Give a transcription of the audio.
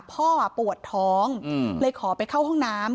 พ่อปวดท้องเลยขอไปเข้าห้องน้ำ